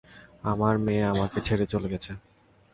আমার মেয়ে আমাকে ছেড়ে চলে গেছে!